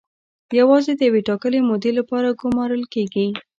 یوازې د یوې ټاکلې مودې لپاره ګومارل کیږي.